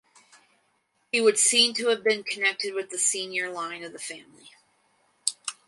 He would seem to have been connected with the senior line of the family.